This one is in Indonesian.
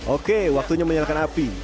oke waktunya menyalakan api